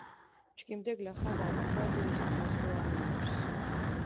ჩქიმდე გლახა ვა მოხვადუ ის დღას დო ამიორს!